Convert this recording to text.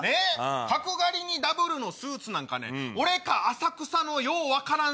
角刈りにダブルのスーツなんか俺か浅草のよう分からん